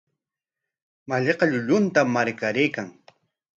Malliqa llulluntam marqaraykan.